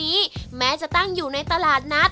คนที่มาทานอย่างเงี้ยควรจะมาทานแบบคนเดียวนะครับ